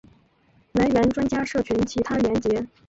来源专家社群其他连结